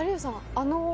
あの。